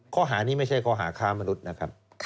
ข้อหานี้ไม่ใช่ข้อหาค้ามนุษย์นะครับ